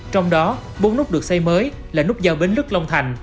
trong đó bốn nút được xây mới là nút giao bến lức long thành